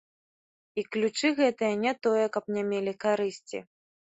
І ключы гэтыя не тое, каб не мелі карысці.